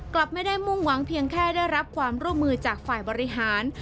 กลับไม่ได้มุ่งหวังเพียงแค่ได้รับความร่วมมือจากฝ่ายบริหาร